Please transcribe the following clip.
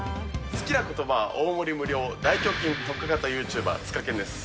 好きなことばは大盛り無料、大胸筋特化型ユーチューバー、ツカケンです。